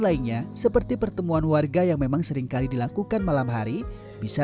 lainnya seperti pertemuan warga yang memang seringkali dilakukan malam hari bisa